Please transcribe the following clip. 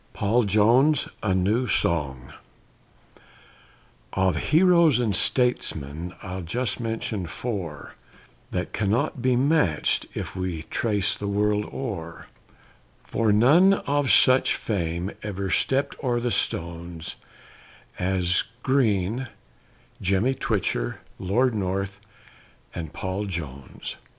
PAUL JONES A NEW SONG Of heroes and statesmen I'll just mention four, That cannot be match'd, if we trace the world o'er, For none of such fame ever stept o'er the stones, As Green, Jemmy Twitcher, Lord North, and Paul Jones.